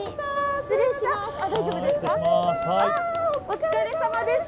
お疲れさまです。